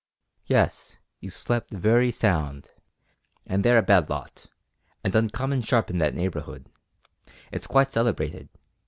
"Yes, you slep' wery sound, and they're a bad lot, and uncommon sharp in that neighbourhood. It's quite celebrated.